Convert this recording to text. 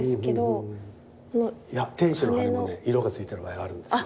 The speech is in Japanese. いや天使の羽もね色がついてる場合があるんですよ。